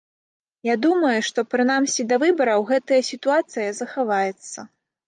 Я думаю, што прынамсі да выбараў гэтая сітуацыя захаваецца.